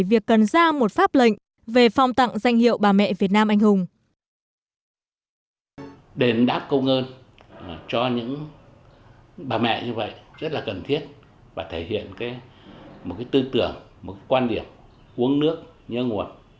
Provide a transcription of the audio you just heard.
việc cần ra một pháp lệnh về phòng tặng danh hiệu bà mẹ việt nam anh hùng